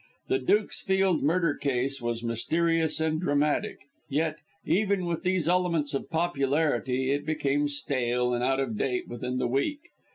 The Dukesfield murder case was mysterious and dramatic, yet, even with these elements of popularity, it became stale and out of date within the week.